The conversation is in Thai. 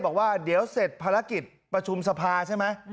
บอกว่าเดี๋ยวเสร็จภารกิจประชุมสภาใช่ไหม